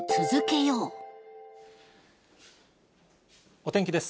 お天気です。